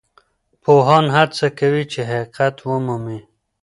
پوهان هڅه کوي چي حقیقت ومومي.